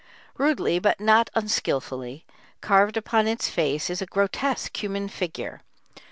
Rudely, but not unskilfully, carved upon its face is a grotesque human figure.